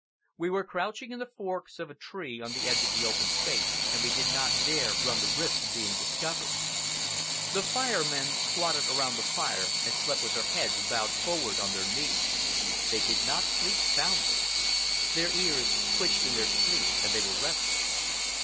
We were crouching in the forks of a tree on the edge of the open space, and we did not dare run the risk of being discovered. The Fire Men squatted around the fire and slept with their heads bowed forward on their knees. They did not sleep soundly. Their ears twitched in their sleep, and they were restless.